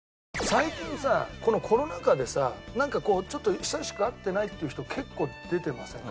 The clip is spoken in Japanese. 最近さこのコロナ禍でさなんか久しく会ってないっていう人結構出てません？